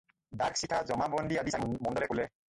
দাগ-চিঠা, জমাবন্দী আদি চাই মণ্ডলে ক'লে।